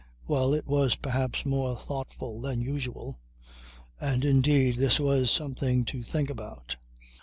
Well, it was perhaps more thoughtful than usual. And indeed this was something to think about.